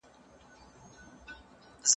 هغه د خپل شرم له امله وروسته پاتې سو.